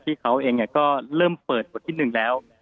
ที่เขาเองก็เริ่มเปิดบทที่๑แล้ว